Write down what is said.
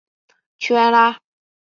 屈埃拉。